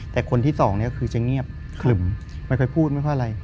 แต่คนที่สองคือเงียบคลึ่มไม่ค่อยพูดไม่ค่อยอะไร